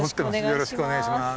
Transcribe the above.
よろしくお願いします。